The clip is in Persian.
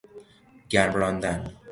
گرم راندن